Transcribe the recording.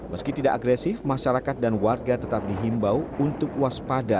meski tidak agresif masyarakat dan warga tetap dihimbau untuk waspada